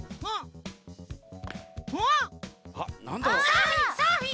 サーフィンサーフィン！